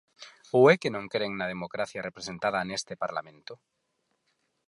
¿Ou é que non cren na democracia representada neste Parlamento?